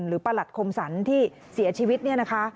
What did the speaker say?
ประหลัดคมสรรที่เสียชีวิตเนี่ยนะคะ